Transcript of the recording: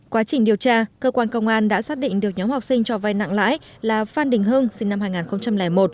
quá trình điều tra cơ quan công an đã xác định được nhóm học sinh cho vai nặng lãi là phan đình hưng sinh năm hai nghìn một